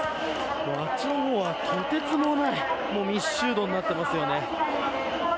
あっちの方は、とてつもない密集度になっていますね。